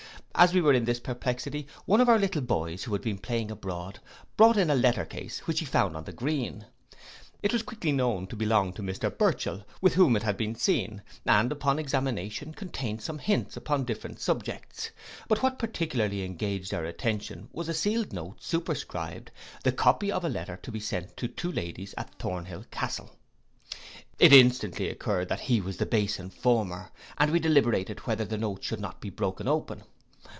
As we were in this perplexity, one of our little boys, who had been playing abroad, brought in a letter case, which he found on the green. It was quickly known to belong to Mr Burchell, with whom it had been seen, and, upon examination, contained some hints upon different subjects; but what particularly engaged our attention was a sealed note, superscribed, the copy of a letter to be sent to the ladies at Thornhill castle. It instantly occurred that he was the base informer, and we deliberated whether the note should not be broke open.